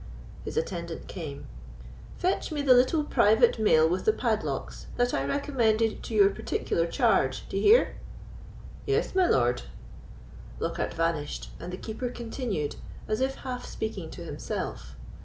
His attendant came. "Fetch me the little private mail with the padlocks, that I recommended to your particular charge, d'ye hear?" "Yes, my lord." Lockhard vanished; and the Keeper continued, as if half speaking to himself.